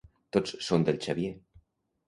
Tots són del Xavier.